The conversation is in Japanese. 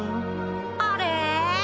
あれ？